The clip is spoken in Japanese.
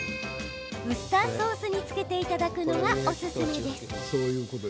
ウスターソースにつけていただくのがおすすめです。